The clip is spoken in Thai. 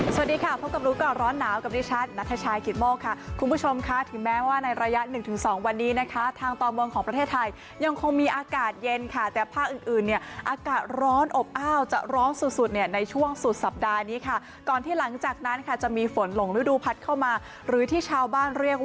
สวัสดีค่ะพบกับรู้ก่อนร้อนหนาวกับดิฉันนัทชายกิตโมกค่ะคุณผู้ชมค่ะถึงแม้ว่าในระยะหนึ่งถึงสองวันนี้นะคะทางตอนบนของประเทศไทยยังคงมีอากาศเย็นค่ะแต่ภาคอื่นอื่นเนี่ยอากาศร้อนอบอ้าวจะร้อนสุดสุดเนี่ยในช่วงสุดสัปดาห์นี้ค่ะก่อนที่หลังจากนั้นค่ะจะมีฝนหลงฤดูพัดเข้ามาหรือที่ชาวบ้านเรียก